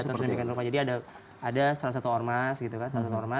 ya di atas mendirikan rupa jadi ada salah satu ormas gitu kan